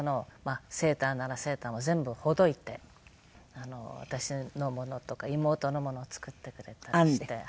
セーターならセーターを全部ほどいて私のものとか妹のものを作ってくれたりして。